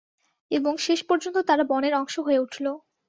এবং শেষপর্যন্ত তারা বনের অংশ হয়ে উঠলো।